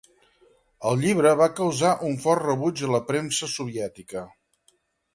El llibre va causar un fort rebuig a la premsa soviètica.